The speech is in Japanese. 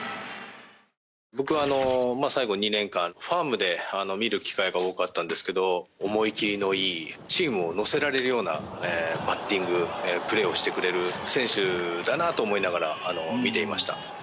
僕は最後２年間ファームで見る機会が多かったんですが思い切りのいいチームを乗せられるようなバッティング、プレーをしてくれる選手だなと思いながら見ていました。